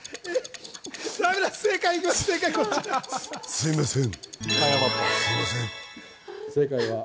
すみません。